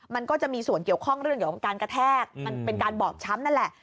มันก็จะมีส่วนเกี่ยวข้องเรื่องเกี่ยวกับการกระแทกมันเป็นการบอบช้ำนั่นแหละ